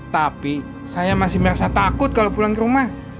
tapi saya masih merasa takut kalau pulang ke rumah